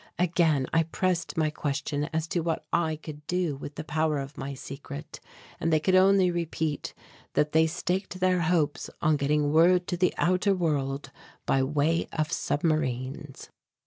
Again I pressed my question as to what I could do with the power of my secret and they could only repeat that they staked their hopes on getting word to the outer world by way of submarines.